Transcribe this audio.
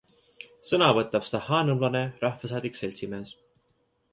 Sõna võtab stahhaanovlane rahvasaadik sm.